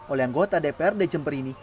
oleh anggota dprd jember ini